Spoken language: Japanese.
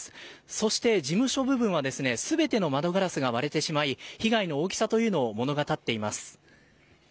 そして事務所部分は全ての窓ガラスが被害の大きさというのを物語っています。